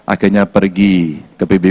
akhirnya pergi ke banyumas